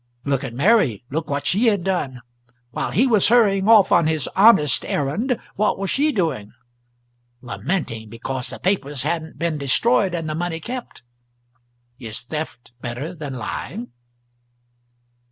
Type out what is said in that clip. Look at Mary look what she had done. While he was hurrying off on his honest errand, what was she doing? Lamenting because the papers hadn't been destroyed and the money kept. Is theft better than lying?